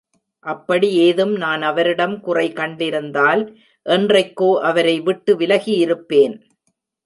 அப்படி ஏதும் நான் அவரிடம் குறை கண்டிருந்தால், என்றைக்கோ அவரை விட்டு விலகியிருப்பேன்.